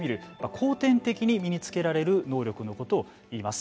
後天的に身につけられる能力のことを言います。